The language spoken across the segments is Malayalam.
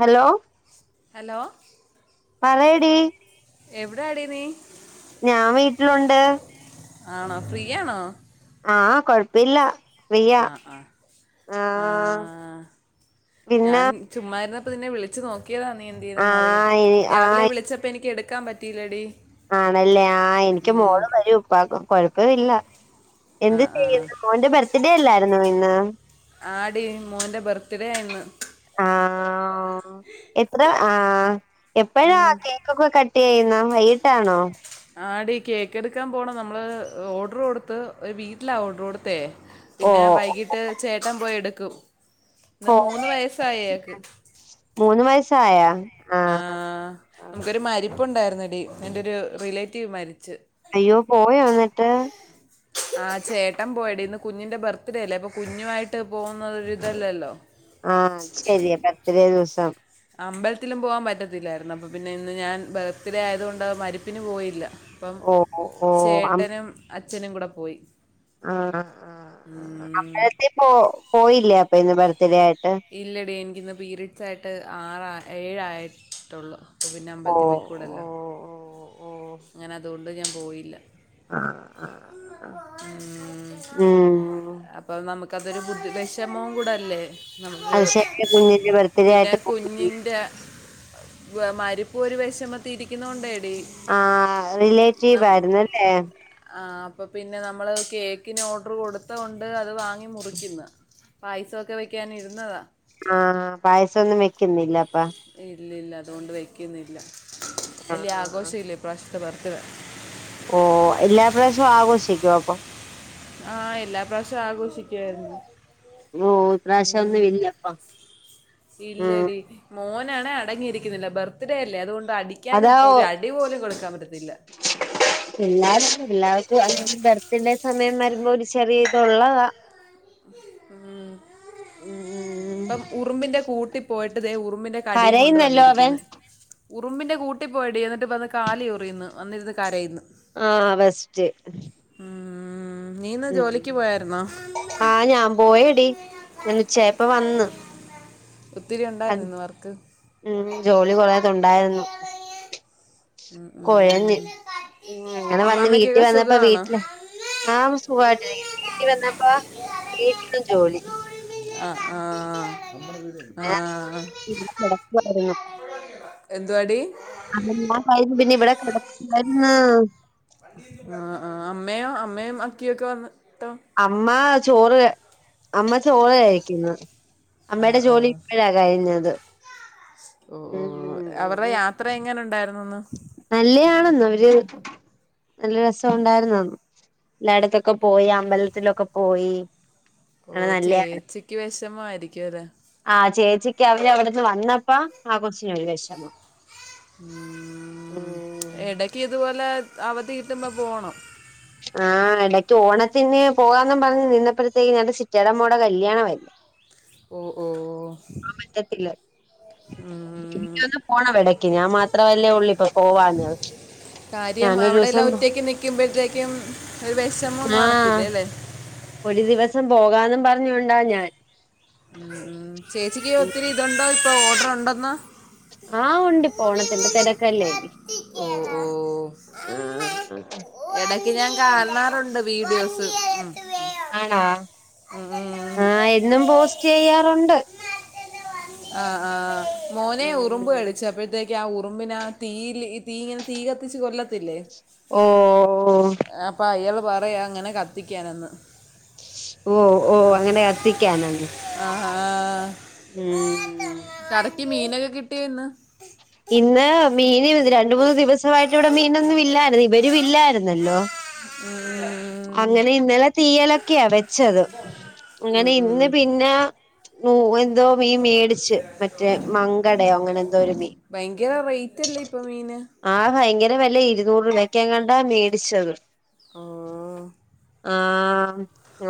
ഹലോ ഹലോ മലയടി എവിടാ അട ന ഞാൻ വീട്ടിലുണ്ട് ആണോ ഫീയാണോ ആഹ് കൊഴപ്പില്ല ഫ്രീയാ ആ പിന്നെ ഞൻ ചുമ് അപ്പ നിന്നെ വിളിച്ചു നോക്കിയതാ നീ ആ എൻ്റെൽൊന്നറിയൻ ഇ- ആ രാവിലെ വിളിച്ചപ്പോൾ എനിക്ക് എടുക്കാൻ പറ്റിയില്ല ടി ആണല്ലേ ആ എനിക്ക് മോള് വരും ഉപ്പ കൊഴപ്പമില്ല ആ എന്ത് ആ ചെയ്യുന്നു കോന്റെ ബർത്ത്ഡേ അല്ലായിരുന്നു ഇന്ന് ആടി മോൻ്റെ ബർത്ത്ഡേ ആയിരുന്നു ആ എത്ര ആ എപ്പോഴാ ഉം. കേക്കൊക്കെ കട്ട് ചെയ്യുന്ന വൈട്ടാണോ ആടീ കേക്ക എടുക്കാൻ പോകണ നമ്മൾ ഓർഡറ് കൊടുത്ത് ഒരു വീട്ടിലാണ് ഓർഡറ് കൊടുത്തേ ഓ പിന്നെ വൈകീട്ട് ചേട്ടൻ പോയി എടുക്കും എന്നാ ഓ മൂന്ന് വയസായയാക്ക് മൂന്ന് വയസ്സായാ ആ നമുക്കൊരു മരിപ്പ ഉണ്ടായിുന്നടി എന്റെ ഒരു റിലേറ്റീവ് മ അയ്യോ പോയ വന്നിട്ട് ആ ചേട്ടൻ പോയട ഇന്ന് കുഞ്ഞിന്റെ ബർത്ത്ഡേ അല്ലേ അപ്പൊ കുഞ്ഞുമായിട്ട് പോവുന്നത ഇതല്ലല്ലോ ആ ശരിയ പത്രേ ദിവസം അമ്പലത്തിലും പോകാൻ പറ്റത്തില്ലായിരുന്നു അപ്പം പിന്നെ ഇന്ന് ഞാൻ ബർത്ത്ഡേ ആയതുകൊണ്ട് മരിപ്പിന് പോയില്ല അപ്പം ഓ ഓ ചേട്ടനും അച്ഛനും കൂടെ പോയി ആ ആ് ഉം. അമ്പലത്തി പോ പോയില്ല അപ്പൊ ഇന്ന് ബർത്ത്ഡേ ആയിട്ട് ഇല്ലടി എനിക്കിന്ന് പീരീഡ്സ് ആയിട്ട് ആറ ഏഴായിട്ടുള്ളൂ ടവിൻ ഓ അമ്പലത്തിൽ ഓ പോയിക്കൂടല്ലോ അങ്ങനെ അതുകൊണ്ട് ഞാൻ പോയില്ല ആ ഉം അതൊരു ബുദ്ധി വിൈഷമവും കൂടെ അല്ലേ നമക്ക് അത് ശരി കുഞ്ഞിന്റെ ബർത്ത്ഡേ പിന്നെ ആയിട്ട് പോയില്ല കുഞ്ഞിന്റെ മരിപ്പൂ ഒരു വിശമ രിക്കുന്ന കൊണ്ടായി ആ റിലേറ്റീവ് ആയിുന്നല്ലേ അപ്പോൾ പിന്നെ നമ്മൾ കേക്കിന് ഓർഡറ് കൊടുത്തകൊണ്ട്, അത് വാങ്ങി മുറിക്കുന്നു, പായസമൊക്കെ വയ്ക്ക വെയ്ക്കാനിരുന്നതാണ് പ്പ ഇല്ല ഇല്ല അതുകൊണ്ട് വെക്കുന്നില്ല വല്യ ആഹ് ആഘോഷ ഇല്ല ഇപ്രാവശത്തെ ബർത്തിടെ ഓ എല്ലാ പ്രാവശ്യവും ആഘോഷിക്കും അപ്പൊ ആഹ എല്ലാ പ്രാവിശ്യും ആഘോഷിക്കുവായിരുന്നു ഓ ഇപ്രാവശ്യം ഒന്നും ഇല്ലപ്പ ഉം മോനാണേ.. അടങ്ങിയിരിക്കുന്നില്ല ബർത്ത്ഡേ അല്ലേ അതുകൊണ്ട് അടിക്കാനും അതാ ഒ ഒരു അടി പോലും കൊടുക്കാൻ പറ്റത്തില്ല എല്ലാവക്ക എല്ലാവർക്കും ബ അതിന്റെ സമയം വരുമ്പോ ഒരു ചെറിയ ഇതുള്ളതാ ഉ ഉം ഉം ഇപ്പം ഉറുമ്പിന്റെ കൂട്ടി പോയിട്ട് ദേ ഉറുമ്പ് ഉറുമ്പിന്റെ കടിയും കൊണ്ട് കരയുന്നല്ലോ അവൻ വന്നിരിക്കുന്നു ഉറുമ്പിന്റെ കൂട്ടിൽപ്പോയിടി എന്നിട്ട് വന്ന് കാല് ചൊറിയുന്ന്, വന്നിരുന്ന് കരയ്ന്ന് ആഹ് ബെസ്റ്റ്റ്റ് ഉം നീ ഇന്ന് ജോലിക്ക് പോയായിരുന്നോ പോയടി, ഉളിമീന ഞാൻ കത്തി ഉച്ചയായപ്പ വന്ന് കളയണ്ട ഒത്തിരി ഉണ്ടായിരുന്നു ഇന്ന് വർക്ക് ഉ ഉളിമീന ജോലി കൊറേത് കത്തിച്ച് ഉണ്ടായിരുന്നു കളയ ഉം, കൊഴഞ്ഞ്, ഉളിമീന ഉ കത്തിച്ച് കളയ അങ്ങനെ വന്ന് വീട്ടിൽ അമ്മാമ്മയ്ക്കൊക്കെ വന്നപ്പോ സുഖമാണോ അമ്മ വീട്ടില് ആ ഉളിമീന സുഖായിട്ടിരിക്കുന്നു. ത- വീട്ടിൽ വന്നപ്പ കത്തിച്ച് കളയ വീട്ടിലും ജോലി അമ്മ, ആ ആഹ ആഹ പിന്നെ കത്തിച്ച് ഇവിടെ കളയ എന്തുവാടി അമ്മ, [unintelligible] അ മ ഭ പിന്നീ [unintelligible] കറ ആ ആ അമ്മയും അമ്മയും അക്കിയൊക്കെ വന്ന് അമ്മാ ചോറ് അമ്മ ചോറ് കഴിക്കുന്നു ആഹ് അമ്മയുടെ ജോലി ആഹ് ഇപ്പോഴാ കഴിഞ്ഞത് ഓഹ് ഉം ഓഹ് അവരുടെ ഉംഉംഉം യാത്ര എങ്ങനെ ഉണ്ടായിരുന്നുന്ന് നല്ലയാണെന്ന അവര് നല്ല രസം ഉണ്ടായിരുന്ന, എല്ലായിടത്തൊക്കെ പോയി, അമ്പലത്തിലൊക്കെ പോയി, ഓ ആ നല്ല ചേച്ചിക്ക് വിഷമ ആയിരിക്കും അല്ലെ ആ ചേച്ചിക്ക് അവര് അവിടുന്ന് വന്നപ്പ, ആ കൊച്ചിനൊരു വെഷമ ഉം ഇടക്ക് ഇതുപോലെ അവധി കിട്ടുമ്പോ പോണം ആഹ് എടക്ക് ഓണത്തിന് പോവാന്നും പറഞ്ഞ് നിന്നപ്പോഴത്തേക്ക് ഞങ്ങടെ ചിറ്റേടെ മ്മോടെ കല്യാണവായി ഓ ഓ പറ്റത്തില്ല എനിക്കൊന്ന് പോണവിടക്ക് ഞാൻ മാത്രവല്ലേ ഒള്ളു ഇപ്പൊ പോവാന്ന് കാര്യം ഞാനൊരു അവിടെ എല്ലാം ദിവസം ഒറ്റക്ക് നിക്കുമ്പോഴത്തേക്കും ഒരു വെഷമം ആ കാണത്തില്ലേ അല്ലേ ഒരു ദിവസം പോകാന്നും പറഞ്ഞോണ്ടാ ഞാൻ ഉ ചേച്ചിക്ക് ഒത്തിരി ഇതുണ്ടോ ഇപ്പൊ ഓർഡർ ഉണ്ടെന്ന് ആഹ ഉണ്ട് ഇപ്പോ ഓണത്തിന്റെ ഊരിങ്ങനെ തിരക്കല്ലേ ഓ നി കത്തിക്കണം. ഓ ഇടക്ക് ഞാൻ കാണാറുണ്ട് വീഡിയോസ് ഉം വേ അമ്മ. ആണോ അച്ഛൻ്റെ ഉം. വണ്ടി ആഹ എടുത്ത് എന്നും വേ. പോസ്റ്റ് ചെയ്യാറുണ്ട് ആ് ആ് മോനെ ഉറുമ്പ് ഉം കളിച്ചപ്പഴത്തേക്ക ആ ഉറു കുറുമ്പിനാ തീയിൽ തീ ഇങ്ങനെ തീ കത്തിച്ചു കൊല്ലത്തില്ലേ ഓ അപ്പൊ അയാള് പറയാ അങ്ങനെ കത്തിക്കാനന്ന് ഓ ഓ അങ്ങനെ കത്തിക്കാനന്ന് ആഹാ ഉം തമ്മ. കടക്ക് മീനൊക്കെ കിട്ടിയന്ന് ഇന്ന് മീന് രണ്ട് മൂന്ന് ദിവസവായിട്ട് ഇവിടെ മീനൊന്നും ഇല്ലായിരുന്നു. ഇവരുവില്ലായിരുന്നല്ലോ ഉം അങ്ങനെ ഇന്നലെ തീയലൊക്കെയാ വെച്ചത് അങ്ങനെ ഇന്ന് പിന്നെ എന്തോ മീൻ മേടിച്ച് മറ്റേ മങ്കടയോ അങ്ങനെ എന്തോ ഒരു മീ ഭയങ്കര റേറ്റ് അല്ലേ ഇപ്പൊ മീന് ആഹ ഭയങ്കര വല്ല്യ ഇരുന്നു നൂറ് വക്കങ്ങണ്ട മേടിച്ചത് ഉ ആ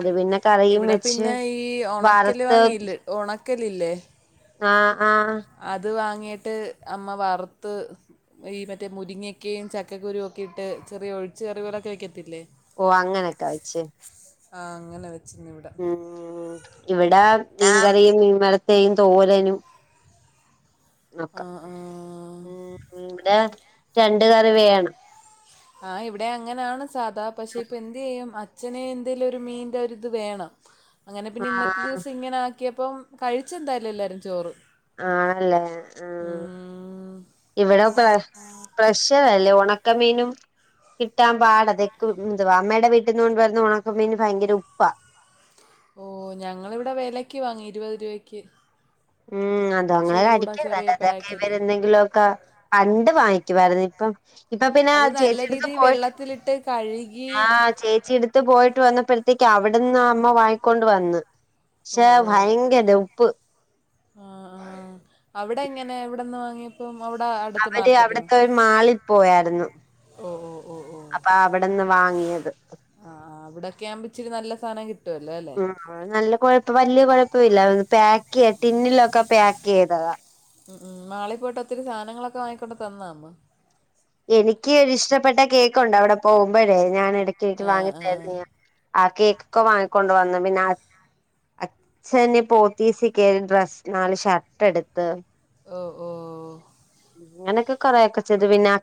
അത് പിന്നെ കറിയും ഇവിടെ വെച്ച് പിന്നെ ഈ ഓണക്കല് വറുത്ത് വാങ്ങിയില്ല ഓണക്കല് ഇല്ലേ ആ ആ അത് വാങ്ങിട്ട് അമ്മ വറുത്ത് ഈ മറ്റേ മുരിങ്ങക്കയും ചക്കുരു ഒക്കെ ഇട്ട് ചെറിയ ഒഴിച് കറികൾഒകെ വയ്ക്കത്തില്ലേ ഓ അങ്ങനൊക്കെ വെച്ച് ആ അങ്ങനെ വെച്ചിരുന്നു ഇവിട ഉം ഇവിടെ മീൻകറിയും മീൻമരത്തയും തോരനും നോക്ക ആഹ് ഉ ഇവിടെ രണ്ട് കറി വേണം ആഹ് ഇവിടെ അങ്ങനെയാണ് സാധാ പക്ഷെ ഇപ്പൊ എന്ത് ചെയ്യും അച്ഛനെ എന്തേങ്കലും ഒരു മീന്റെ ഒരിത് വേണം അങ്ങനെ പിന്നെ ഇന്നത്തെ ആഹ് ദിവസം ഇങ്ങനെ ആങ്ങി യപ്പം കഴിച്ച എന്തായാലോ എല്ലാവരും ചോറ് ആണല്ലേ ആ ഉം ഇവിടെ പ്ര പ്രശ് അല്ലേ ഉണക്കമീനും കിട്ടാൻ പാടതെക്ക് എതുവാ അമ്മയുടെ വീട്ടിൽ നിന്ന് കൊണ്ട് വരുന്ന ഉണക്ക മീന് ഭയങ്കര ഉപ്പാ ഓ ഞങ്ങളിവിടെ വിലക്ക് വാങ്ങി ഇരുപത് രൂപക്ക് മ് അത അങ്ങനെ അടിക്കരുതല്ല അതൊക്കെ പാക്കറ്റ് ഇവരെ എന്തെങ്കിലുമ ഒക്കെ പണ്ട് വാങ്ങിക്കുവായിരുന്നു ഇപ്പൊ ഇപ്പൊ പിന്നെ അത് നല്ല ചേച്ചിെടുത്ത് രീതിയിൽ പോയിട്ട് വെള്ളത്തിലിട്ട് കഴുകി ഹാ ചേച്ചി എടുത്ത് പോയിട്ട് വന്നപ്പോഴത്തേക്ക് അവിടെ അവിടുന്ന് അമ്മ വാങ്ങിക്കൊണ്ട് വന്ന് ഓ പക്ഷെ ഓ ഭയങ്കര ഉപ്പ് ആ ആ അവിടെ ഇങ്ങനെ എവിടെന്ന് വാങ്ങിയപ്പോം അവര് അവിടത്തെ ഒരു മാളിൽ പോയായിരുന്നു ഓ ഓ ഓ ഓ അപ്പൊ അവിടെന്ന് വാങ്ങിയത് ആ ആ അവിടെയൊക്കെ ആകുമ്പോൾ ഇച്ചിരി നല്ല സാധനം കിട്ടുമല്ലോ അല്ലേ നല്ല കുഴപ്പം വലിയ കുഴപ്പില്ല പാക്ക് ടിന്നിലൊക്കെ പാക്ക് ചെയ്തതാ മ് മ് മാളിൽ പോയിട്ട് ഒത്തിരി സാധനങ്ങളൊക്കെ വാങ്ങിക്കൊണ്ട് തന്നാമ്മോ എനിക്ക് ഒരി ഇഷ്ടപ്പെട്ട കേക്കുണ്ട് അവിടെ പോകുമ്പോഴേ ഞാൻ ഇടക്കിടക്ക് ആ ആ വാങ്ങിന്നർന്നയാ ആ കേക്കൊക്കെ വാങ്ങിക്കൊണ്ട് വന്നു പിന്നെ അ അച്ഛന പോത്തീസ് കേറി ഡ്രസ്സ് നാല് ഷർട്ട എടുത്ത് ഓ ഓ അകനെ ഒകെ കൊറേ എ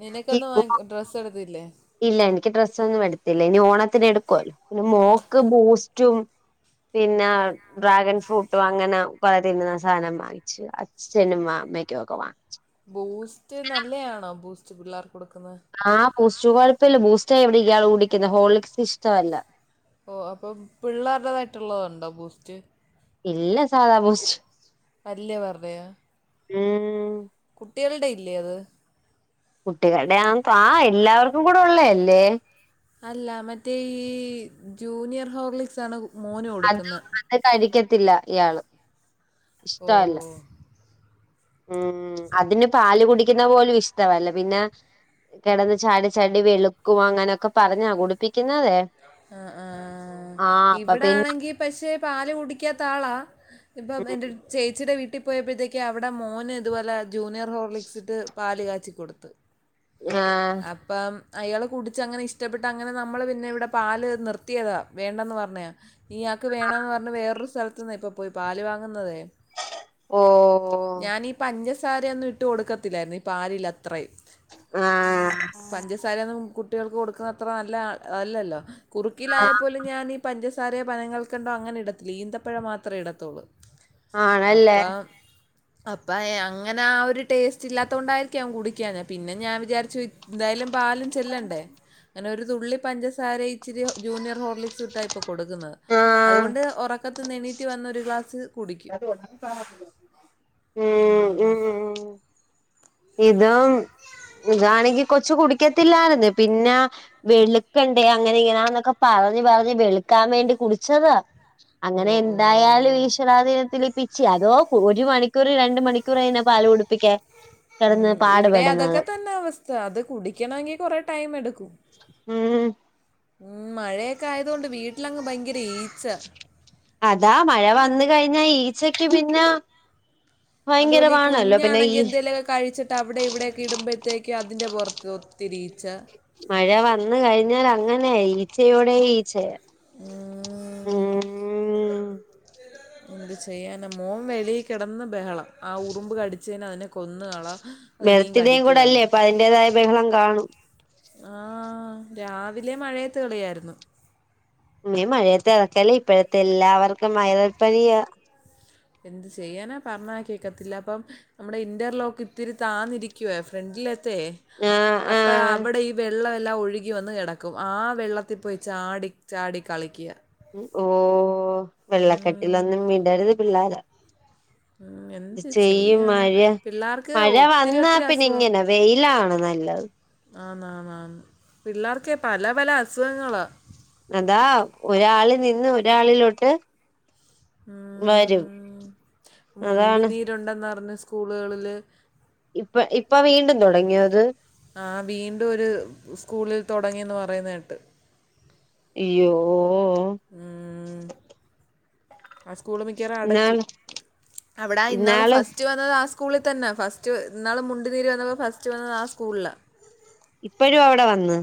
നിനക്ക ഒന്നു വാ ഡ്രസ്സ് എടുത്തില്ലേ ഡ്രസ് ഒന്നും എടുത്തില്ല ഇനി ഓണത്തിന് എടുക്കുവല്ലോ പിന്നെ മോക്ക് ബൂസ്റ്റും പിന്നെ ഡ്രാഗൺ ഫ്രൂട്ടും അങ്ങനെ കൊറെ തിന്നുന്ന സാധനം വാങ്ങിച്ചു അച്ഛനും അമ്മയ്ക്കും ഒക്കെ വാങ്ങിച്ചു ബൂസ്റ്റ് നല്ലയാണോ ബൂസ്റ്റ് പിള്ളേർക്ക് കൊടുക്കുന്ന ആ ബൂസ്റ്റ് കൊയപ്പില്യ ബുസ്റ്റ് എവിടെതെയാണ് കുടിക്കുന്നെ ഹോളിസ് ഇഷ്ടമല്ല ഓ അപ്പൊ പിള്ളേരുടേതായിട്ടുള്ളതണ്ടോ ബൂസ്റ്റ് ഇല്ല സാധാ ബോസ്റ്റ് പല്ല് പറയാ മം കുട്ടികൾടെ ഇല്ലേ അത് കുട്ടികളുടെ ആ ആ എല്ലാവർക്കും കൂടെ ഉള്ളേല്ലേ അല്ല മറ്റേ ഈ ജൂനിയർ ഹോക്ലിക്സ് ആണോ അത് അത് കഴിക്കത്തില്ല ഇയാള് ഓ ഇഷ്ടല്ല ഉം അതിന് പാല് കുടിക്കുന്ന പോലും ഇഷ്ടമല്ല പിന്നെ കിടന്ന് ചാടി ചാടി വെളുക്കുവ അങ്ങനെയൊക്കെ പറഞ്ഞാ കുളിപ്പിക്കുന്നതെ ആ ആ ഇവിടെ പിന്നെ ആണെങ്കിൽ പക്ഷെ പാല് കുടിക്കാത്ത ആളാ ഇപ്പ എന്റെ ചേച്ചിയുടെ വീട്ടിൽ കട്ടിപ്പോയപ്പോഴത്തേക്ക് അവിടെ മോന് ഇതുപോലെ ജൂനിയർ ഹോർലിക്സിട്ട് പാല് കാച്ചി കൊടുത്ത് ആ അപ്പം അയാള് കുടിച്ച അങ്ങനെ ഇഷ്ടപ്പെട്ട് അങ്ങനെ നമ്മള് പിന്നെ ഇവിടെ പാ നിർത്തിയതാ വേണ്ടന്ന് പറഞ്ഞാ നീ ഇയാൾക്ക് വേണന്ന് പറഞ്ഞ വേറൊരു സ്ഥലത്ത് നിന്ന് ഇപ്പൊ പോയി പാല് വാങ്ങുന്നതേ ഓ ഞാനീ ഈ പഞ്ചസാര ഒന്നും ഇട്ട് കൊടുക്കത്തില്ലായിരുന്നു ഈ പാൽ അത്രയും ആ പഞ്ചസാരൊന്നും കുട്ടികൾക്ക് കൊടുക്കുന്ന അത്ര നല്ല അല്ലല്ലോ കുറുക്കില ആ ആയപ്പോലും ഞാൻ ഈ പഞ്ചസാരയോ പനം കൾക്കണ്ടം അങ്ങനെ ഇടത്തില്ല ഈന്തപ്പഴ മാത്രമേ ഇടത്തുള്ളൂ ആണല്ലേ അപ്പ അങ്ങനെ ആ ഒരു ടേസ്റ്റ് ഇല്ലാത്ത കൊണ്ടായിരിക്ക ൻ കുടിക്കന്ന പിന്നെ ഞാൻ വിചാരിച്ചു എന്തായാലും പാലും ചെല്ലണ്ടേ അങ്ങനെ ഒരു തുള്ളി പഞ്ചസാര ഇച്ചിരി ജൂനിയർ ഹോർലിക് കൊടുക്കുന്നത് ആഹ് അതുകൊണ്ട് ഉറക്കത്ത് നെണീറ്റ് വന്ന ഒരു ഗ്ലാസ് കുടിക്കും ഉം ഉ ഉ ഉ ഇഏത [unintelligible] ഇതാണെങ്കി കൊച്ചു കുടിക്കത്തില്ലായിരുന്നു പിന്നെ വെളുക്കണ്ടേ അങ്ങനെ ഇങ്ങനാന്നൊക്കെ പറ പറഞ്ഞു പറഞ്ഞു വെളുക്കാൻ വേണ്ടി കുടിച്ചതാ ഓ അങ്ങനെ ഓ എന്തായാലും ഈശ്വരാധീനത്തിൽ പിച്ചി അതോ ഒരു മണിക്കൂർ രണ്ടു മണിക്കൂർയിനാ പാല കുടുപ്പിക്കേ ഉം ഇവിടെ അതൊക്കെ തന്നെ അവസ്ഥ അത് കുടിക്കണമെങ്കി കൊറെ ടൈം എടുക്കും ഉം ഉം മഴയൊക്കെ ആയതുക കൊണ്ട് വീട്ടിലങ്ങ് ഈച്ച അതാ മഴ വന്ന കഴിഞ്ഞാ ഈച്ചക്ക് പിന്നെ അതുപോലെ ഈ ഭയങ്കരമാണല്ലോ പിന്നെ ഈ കുഞ്ഞാണെങ്കി എന്തേലുമൊക്കെ കഴിച്ചിട്ട് അവിടെ ഇവിടെൊക്കെ ഇടുമ്പോഴത്തേക്ക് അതിന്റെ പുറത്ത് ഒത്തിരി ഈച്ച മഴ വന്ന കഴിഞ്ഞാൽ അങ്ങനെയ ഈച്ചയോടെ ഈച്ചയ ആ എന്ത് ചെയ്യാന മോൻ വെളിൽ കിടന്ന് ബഹളം ആ ഉറുമ്പ് കടിച്ചേന് അതിനെ കൊന്നുകളളാം വെർത്തിന്റെയും [unintelligible] കൂടെ അല്ലേ അപ്പൊ അതിന്റേതായ ബഹളം കാണും ആ രാവിലെ മഴയത്ത് കളിയായിരുന്നു ഇ മഴയത്തെ ഇറക്കല്ലേ ഇപ്പഴത്തെ എല്ലാവർക്കും വയറിൽ പനിയാ എന്ത് ചെയ്യാനാ പറഞ്ഞക്കിയക്കത്തില്ല അപ്പം നമ്മുടെ ഇന്റർലോക്ക് ഇത്തിരി താന്നിരിക്കുവ ഫ്രണ്ടിൽ ആഹ് അപ്പ ആഹ് അവിടെ ഈ വെള്ളം എല്ലാം ഒഴുകി വന്ന് കിടക്കും ആ വെള്ളത്തിൽ പോയി ചാടി ചാടി കളിക്കുക ഓ ഉം. വെള്ളക്കെട്ടിലൊന്നും വിടരുത് പിള്ളേര് [inaudible] അത് എന്ത് ചെയ്യും ചെയ്യാനാ മഴ പിള്ളേർക്ക് മഴ ഒത്തിരി വന്നാ ഒത്തിരി പിന്നെ അസുഖം ഇങ്ങനെ വെയില് ആണ് നല്ല അ [unintelligible] ആണ് ആണ് പിള്ളേർക്കെ പല പല അസുഖങ്ങളാ അതാ ഒരാള് നിന്ന് ഒരാളിലോട്ട് വരും അതാണ് മുണ്ടിനീരുണ്ടെന്നറിഞ്ഞ് സ്കൂളുകളില് ഇപ്പ ഇപ്പ വീണ്ടും തുടങ്ങിയത് ആ വീണ്ടും ഒരു സ്കൂളിൽ തുടങ്ങിയന്ന് പറയുന്ന കേട്ട് അയ്യോ ഉം, ആ സ്കൂൾ മിക്കവാറും അടയ്ക്കും ഇന്നാള് അവിട ഇന്നാള് ഫസ്റ്റ് വന്നത് ആ സ സ്കൂളിൽ തന്നെ ഫസ്റ്റ് ഇന്നാള് മുണ്ടുനീര് വന്നപ്പോൾ ഫസ്റ്റ് വന്നത് ആ സ്കൂളിൽ ഇപ്പോഴും അവിടെ വന്ന്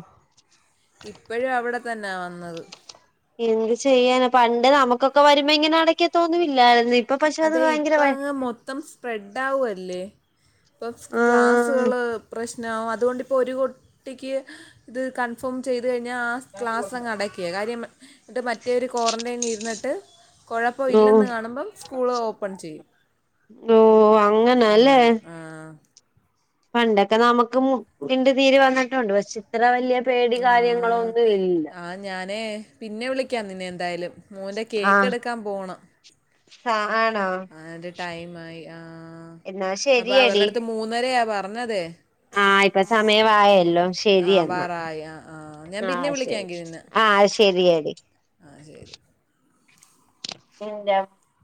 ഇപ്പോഴും അവിടെ തന്നാ വന്നത് എന്ത് ചെയ്യാന പണ്ട് നമുക്കൊക്കെ വരുമ്പോ ഇങ്ങനെ അടക്കക്കത്തൊന്നും ഇല്ലായിരുന്നോ അതെ ഇപ്പ അങ്ങ് മൊത്തം സ്പ്രെഡ് ആവുവല്ലേ? ഇപ്പം ആഹ് ക്ലാസ്സുകള് പ്രശ് ആ അതുകൊണ്ടിപ്പോ ഒരു കുട്ടിക്ക് ഇത് കൺഫേം ചെയ് ത്‌ കഴിഞ്ഞാ ആ ക്ലാസ്സങ്ങ് അടക്ക്വേ. കാര്യം എന്നിട്ട്‌ മറ്റോര് കോറെന്റൈൻ ഇര്ന്നിട്ട് കൊഴപ്പം ഓ ഇല്ലെന്ന് കാണുമ്പം സ്കൂൾ ഓപ്പൺ ചെയ്യും ഓ അങ്ങനെ അല്ലേ? പണ്ടൊക്കെ നമക്ക് മുട്ട്ന്റെ നീര് വന്നിട്ടുണ്ട്. പക്ഷെ ഇത്ര വല്യ പേടി കാര്യങ്ങളോ ഒന്നു ഇല്ല. ആ ഞാൻ പിന്നെ വിളിക്കാം നിന്നെ എന്തായാലും. മോന്റെ കേക്കെടുക്കാൻ പോണം. ആ ആ അതിന്റെ ടൈം ആയി ആ. എന്നാ അപ്പൊ ശരിയടി അവര്ടട്ത്ത് മൂന്നരയാ പറഞ്ഞതെ. ആഹ് ഇപ്പൊ സമയവായല്ലോ? ശരി ആ എന്നാ. വാറായി ആ ആ ഞാൻ ആ പിന്നെ ശരി ആ ശരിയാടി അത് ശെരി [unintelligible]